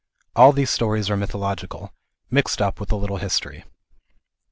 All these stories are mythological, mixed up with a little history.